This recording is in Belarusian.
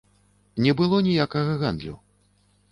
Не было ніякага гандлю.